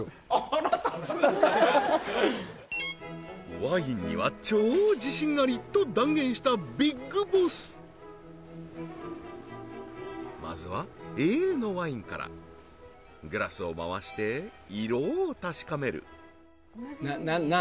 ワインには超自信ありと断言したビッグボスまずはＡのワインからグラスを回して色を確かめるなんなん？